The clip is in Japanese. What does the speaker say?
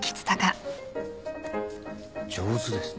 上手ですね。